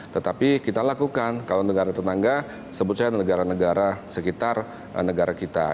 tetapi kita lakukan kalau negara tetangga sebut saja negara negara sekitar negara kita